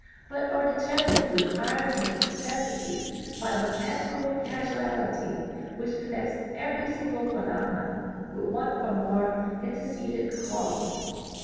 Both are determined with iron neces sity by a mechanical causality which connects every single phenomenon with one or more antecedent causes.